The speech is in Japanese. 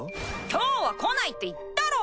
きょうは来ないって言ったろ？